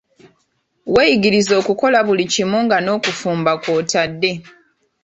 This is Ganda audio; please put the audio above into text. Weeyigirize okukola buli kimu nga n'okufumba kw'otadde.